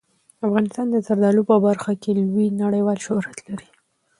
افغانستان د زردالو په برخه کې لوی نړیوال شهرت لري.